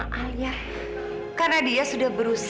manakala kamu gejat